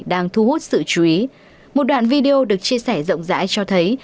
đang thu hút sự chú ý một đoạn video được chia sẻ rộng rãi cho thấy